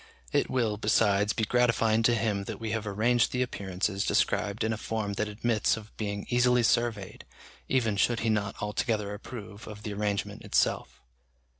It will, besides, be gratifying to him that we have arranged the appearances described in a form that admits of being easily surveyed, even should he not altogether approve of the arrangement itself.